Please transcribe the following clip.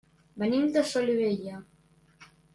Venim de Solivella.